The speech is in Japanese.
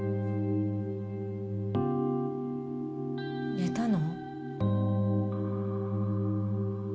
寝たの？